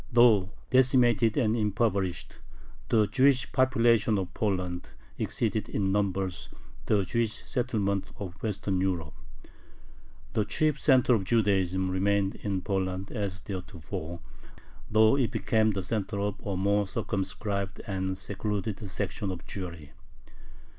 Though decimated and impoverished, the Jewish population of Poland exceeded in numbers the Jewish settlements of Western Europe. The chief center of Judaism remained in Poland as theretofore, though it became the center of a more circumscribed and secluded section of Jewry.